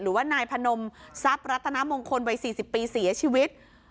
หรือว่านายพนมทรัพย์รัตนมงคลวัย๔๐ปีเสียชีวิต